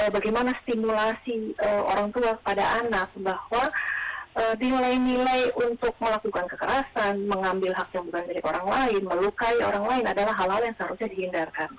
bagaimana stimulasi orang tua kepada anak bahwa nilai nilai untuk melakukan kekerasan mengambil haknya bukan dari orang lain melukai orang lain adalah hal hal yang seharusnya dihindarkan